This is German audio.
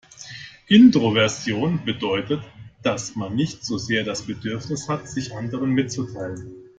Introversion bedeutet, dass man nicht so sehr das Bedürfnis hat, sich anderen mitzuteilen.